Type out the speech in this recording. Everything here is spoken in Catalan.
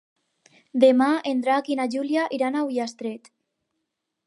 Demà en Drac i na Júlia iran a Ullastret.